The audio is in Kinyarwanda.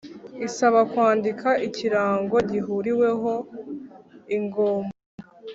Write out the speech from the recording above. Isaba kwandika ikirango gihuriweho igomba